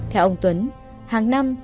theo ông tuấn hàng năm